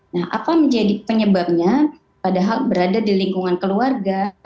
nah apa menjadi penyebabnya padahal berada di lingkungan keluarga